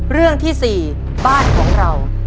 เรื่องที่๔บ้านของเรา